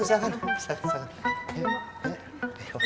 jangan lupa lu silahkan